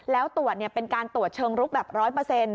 แล้วตรวจเป็นการตรวจเชิงรุกแบบ๑๐๐